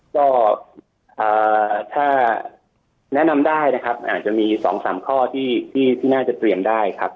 ก็ถ้าแนะนำได้นะครับอาจจะมี๒๓ข้อที่น่าจะเตรียมได้ครับ